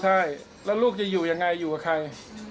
ใช่แล้วลูกจะอยู่ยังไงอยู่กับใคร